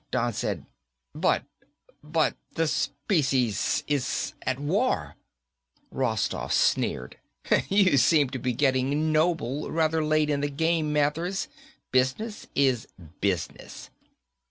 Don said, "But ... but the species is ... at ... war." Rostoff sneered, "You seem to be getting noble rather late in the game, Mathers. Business is business."